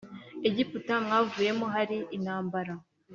Egiputa mwavuyemo hari intambara